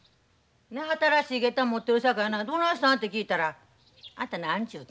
新しい下駄持ってるさかいなどないしたんて聞いたらあんた何ちゅうたん？